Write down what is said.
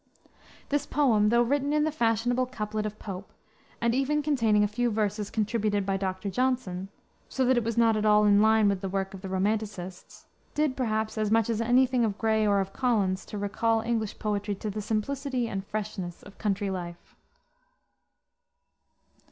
This poem, though written in the fashionable couplet of Pope, and even containing a few verses contributed by Dr. Johnson so that it was not at all in line with the work of the romanticists did, perhaps, as much as any thing of Gray or of Collins to recall English poetry to the simplicity and freshness of country life.